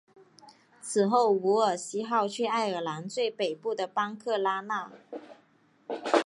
此后伍尔西号去爱尔兰最北部的班克拉纳。